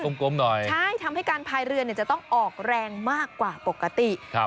กลมหน่อยใช่ทำให้การพายเรือเนี่ยจะต้องออกแรงมากกว่าปกติครับ